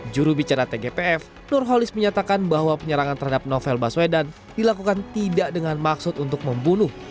juru bicara tgpf nur holis menyatakan bahwa penyerangan terhadap novel baswedan dilakukan tidak dengan maksud untuk membunuh